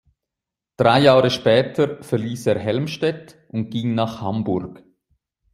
Drei Jahre später verließ er Helmstedt und ging nach Hamburg.